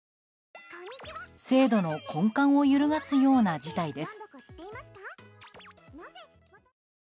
制度の根幹を揺るがすような事態です。